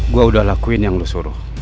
gue udah lakuin yang lu suruh